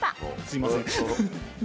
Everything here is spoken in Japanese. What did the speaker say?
すいません。